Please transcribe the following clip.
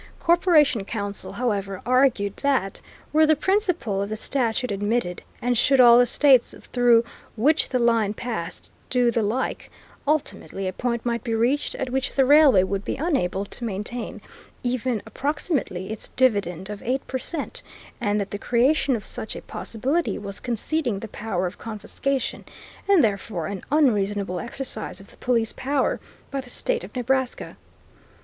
Corporation counsel, however, argued that, were the principle of the statute admitted, and should all the states through which the line passed do the like, ultimately a point might be reached at which the railway would be unable to maintain, even approximately, its dividend of eight per cent, and that the creation of such a possibility was conceding the power of confiscation, and, therefore, an unreasonable exercise of the Police Power, by the State of Nebraska.